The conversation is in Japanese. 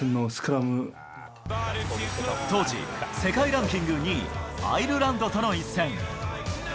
当時、世界ランキング２位、アイルランドとの一戦。